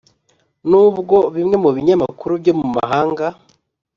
nubwo bimwe mu binyamakuru byo mu mahanga